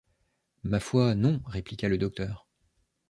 Ma foi, non! répliqua le docteur.